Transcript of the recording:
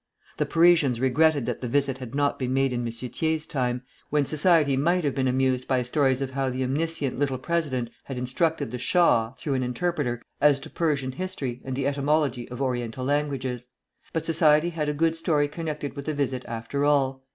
The Parisians regretted that the visit had not been made in M. Thiers' time, when society might have been amused by stories of how the omniscient little president had instructed the shah, through an interpreter, as to Persian history and the etymology of Oriental languages; but society had a good story connected with the visit, after all.